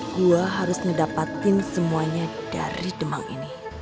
gue harus ngedapatin semuanya dari demang ini